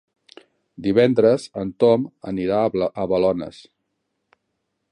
Divendres en Tom anirà a Balones.